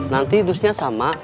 nanti dusnya sama